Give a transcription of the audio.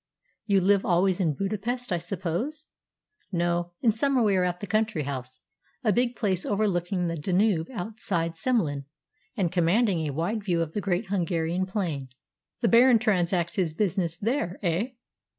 "You live always in Budapest, I suppose?" "No. In summer we are at the country house, a big place overlooking the Danube outside Semlin, and commanding a wide view of the great Hungarian plain." "The Baron transacts his business there, eh?"